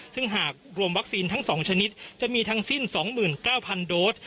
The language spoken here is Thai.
ซึ่งหากรวมวัคซีนทั้งสองชนิดจะมีทั้งสิ้นสองหมื่นเก้าพันโดส